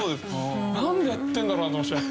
なんでやってるんだろうなって思ってました